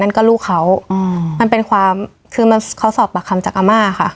ลูกก็ลูกเขาอืมมันเป็นความคือมันเขาสอบปากคำจากอาม่าค่ะ